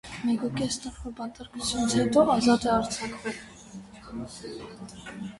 Մեկ ու կես տարվա բանտարկությունից հետո ազատ է արձակվել։